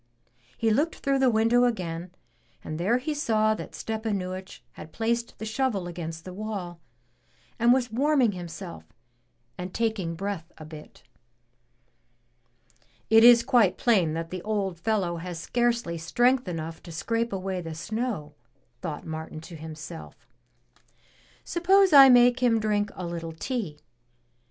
'* He looked through the window again, and there he saw that Stepanuich had placed the shovel against the wall, and was warming himself and taking breath a bit. 'It is quite plain that the old fellow has scarcely strength enough to scrape away the snow," thought Martin to himself, Suppose I make him drink a little tea!